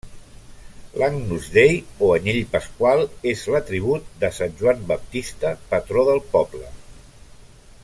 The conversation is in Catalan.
L'Agnus Dei, o anyell pasqual, és l'atribut de sant Joan Baptista, patró del poble.